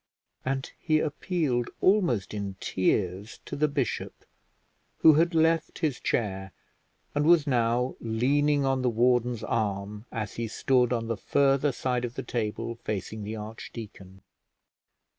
And he appealed, almost in tears, to the bishop, who had left his chair, and was now leaning on the warden's arm as he stood on the further side of the table facing the archdeacon.